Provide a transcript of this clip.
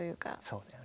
そうだよね。